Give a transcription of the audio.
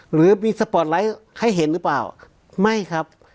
หรือมีสปอร์ตไลท์ให้เห็นหรือเปล่าไม่ครับ